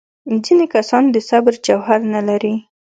ځینې کسان د صبر جوهر نه لري.